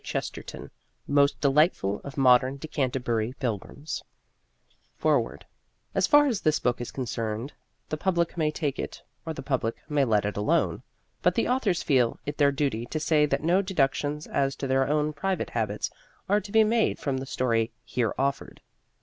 CHESTERTON MOST DELIGHTFUL OF MODERN DECANTERBURY PILGRIMS FOREWORD As far as this book is concerned, the public may Take It, or the public may Let It Alone. But the authors feel it their duty to say that no deductions as to their own private habits are to be made from the story here offered.